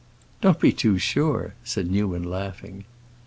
"Don't be too sure," said Newman, laughing.